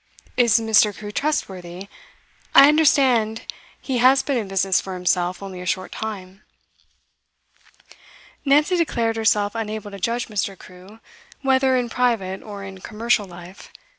'Is Mr. Crewe trustworthy? I understand he has been in business for himself only a short time.' Nancy declared herself unable to judge Mr. Crewe, whether in private or in commercial life.